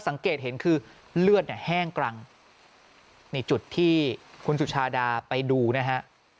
สังเกตเห็นคือเลือดเนี่ยแห้งกรังนี่จุดที่คุณสุชาดาไปดูนะฮะ